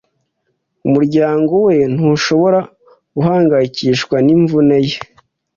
Umuryango we ntushobora guhangayikishwa n’imvune ye.